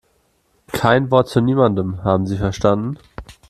Kein Wort zu niemandem, haben Sie verstanden?